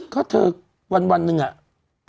ก็เธอวันนึงอ่ะ